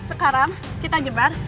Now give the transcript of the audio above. sekarang kita jebar